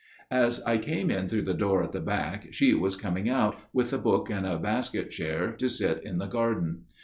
"As I came in through the door at the back, she was coming out, with a book and a basket chair to sit in the garden.